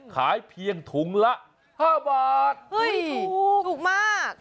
ขายเพียงถุงละ๕บาทเฮ้ยถูกถูกมาก